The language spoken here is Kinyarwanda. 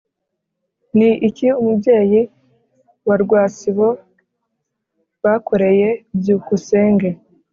ni iki umubyeyi na rwasibo bakoreye byukusenge?